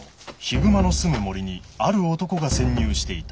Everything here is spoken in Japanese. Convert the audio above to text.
熊の住む森にある男が潜入していた。